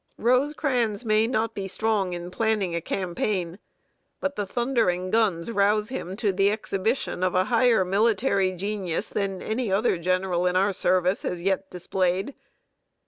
Rosecrans may not be strong in planning a campaign, but the thundering guns rouse him to the exhibition of a higher military genius than any other general in our service has yet displayed.